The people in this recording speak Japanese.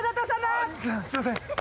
すいません。